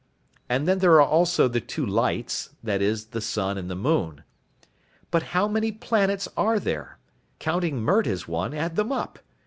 And then there are also the two 'lights,' that is, the sun and the moon. But how many planets are there? Counting Mert as one, add them up.